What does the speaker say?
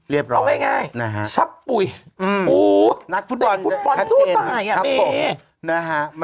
เอาไงไงชับปุ๋ยอู๋นักฟุตบอลสู้ตายอ่ะเบ๊